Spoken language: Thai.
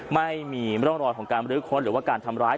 ไม่มีร่องรอยของการบรื้อค้นหรือว่าการทำร้าย